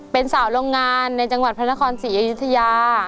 เป็นสาวโรงงานในจังหวัดพระนครศรีอยุธยา